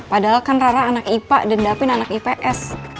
padahal kan ra ra anak ipa dan daffin anak ips